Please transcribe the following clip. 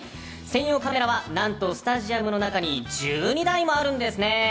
専用カメラは何とスタジアムの中に１２台もあるんですね。